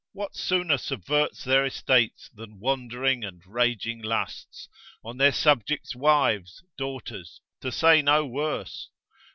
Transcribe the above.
what sooner subverts their estates than wandering and raging lusts, on their subjects' wives, daughters? to say no worse.